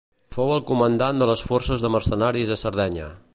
Fou el comandant de les forces de mercenaris a Sardenya.